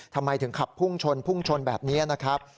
ทำไมถึงขับพุ่งชนพุ่งชนแบบนี้นะครับ